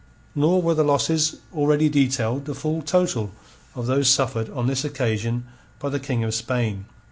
Nor were the losses already detailed the full total of those suffered on this occasion by the King of Spain.